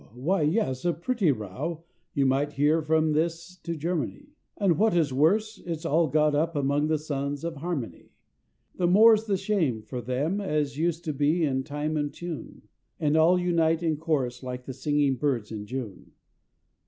why yes, a pretty row, you might hear from this to Garmany, And what is worse, it's all got up among the Sons of Harmony, The more's the shame for them as used to be in time and tune, And all unite in chorus like the singing birds in June!